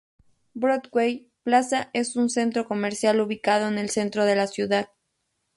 Broadway Plaza es un centro comercial ubicado en el centro de la ciudad.